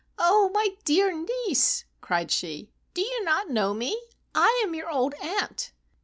"Oh, my dear niece!" cried she, "do you not know me ? I am your old aunt."